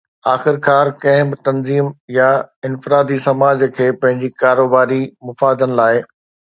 آخرڪار، ڪنهن به تنظيم يا انفرادي سماج کي پنهنجي ڪاروباري مفادن لاء